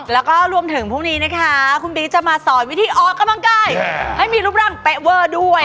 แล้วก็รวมถึงพรุ่งนี้นะคะคุณบี๊จะมาสอนวิธีออกกำลังกายให้มีรูปร่างเป๊ะเวอร์ด้วย